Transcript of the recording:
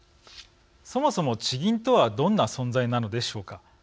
そもそも地銀とはどんな存在なのでしょうか。